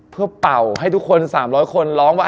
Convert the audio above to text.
เพื่อเป่าให้ทุกคน๓๐๐คนร้องว่า